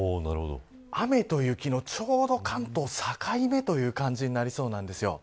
雨と雪の、ちょうど関東は境目という感じになりそうなんです。